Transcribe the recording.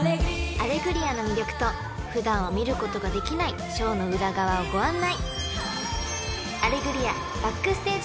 ［『アレグリア』の魅力と普段は見ることができないショーの裏側をご案内！］